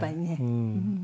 うん。